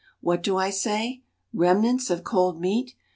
What do I say? remnants of cold meat!